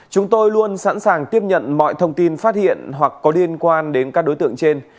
chúng tôi luôn sẵn sàng tiếp nhận mọi thông tin phát hiện hoặc có liên quan đến các đối tượng trên